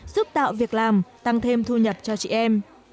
giúp tạo việc làm tăng thêm thu nhập cho chị em